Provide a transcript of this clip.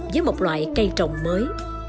với một loại cây trồng mới